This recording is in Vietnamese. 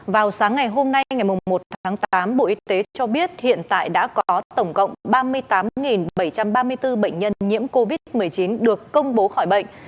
vào sáng ngày hôm nay ngày một tháng tám bộ y tế cho biết hiện tại đã có tổng cộng ba mươi tám bảy trăm ba mươi bốn bệnh nhân nhiễm covid một mươi chín được công bố khỏi bệnh